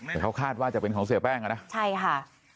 แต่เขาคาดว่าจะเป็นของเสียแป้งอ่ะนะใช่ค่ะ